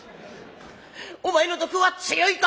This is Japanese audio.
『お前の毒は強いか？』。